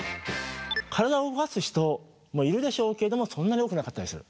体を動かす人もいるでしょうけれどもそんなに多くなかったりする。